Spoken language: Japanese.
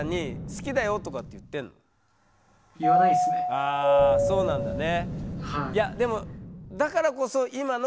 ああそうなんだね。